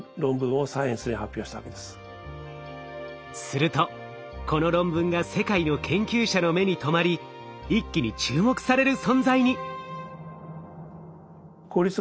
するとこの論文が世界の研究者の目に留まり一気に注目される存在に。